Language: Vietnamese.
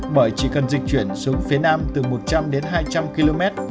bởi chỉ cần dịch chuyển xuống phía nam từ một trăm linh đến hai trăm linh km